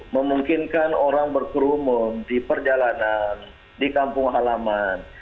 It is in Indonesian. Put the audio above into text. memungkinkan orang berkerumun di perjalanan di kampung halaman